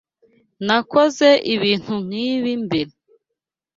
Nakoze ibintu nkibi mbere.